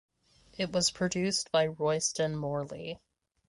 It was produced by Royston Morley.